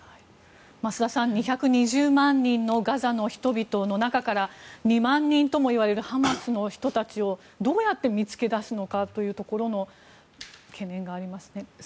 増田さん２２０万人のガザの人々の中から２万人ともいわれるハマスの人々をどうやって見つけ出すのかというところの懸念がありますね。